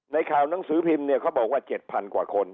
ในข่าวหนังสือพิมพ์เนี่ยเขาบอกว่า๗๐๐กว่าคน